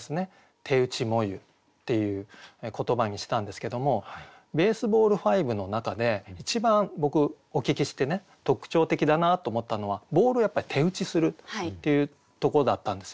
「手打ち炎ゆ」っていう言葉にしたんですけどもＢａｓｅｂａｌｌ５の中で一番僕お聞きして特徴的だなと思ったのはボールをやっぱり手打ちするっていうとこだったんですよね。